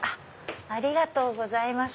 ありがとうございます！